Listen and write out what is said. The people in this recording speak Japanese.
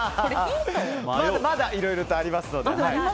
まだ、いろいろとありますので。